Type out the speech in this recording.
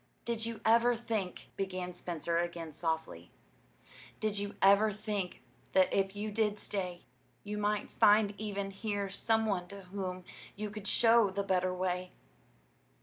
"Did you ever think," began Spencer again, softly, "did you ever think that if you did stay, you might find even here some one to whom you could show the better way?